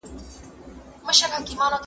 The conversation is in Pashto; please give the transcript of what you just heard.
لکه سپوږمۍ د څوارلسمي په ځلا مغروره